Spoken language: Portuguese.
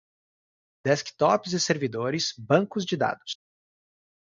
desktops e servidores, bancos de dados